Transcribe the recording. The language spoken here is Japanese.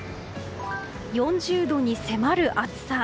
４０度に迫る暑さ。